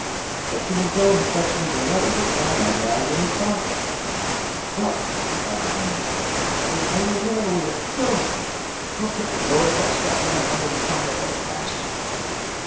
"That you will go and fetch me the letter your comrade has in his pocket." "But," cried the bandit, "that is only another way of killing me. How can I go and fetch that letter under the fire of the bastion?"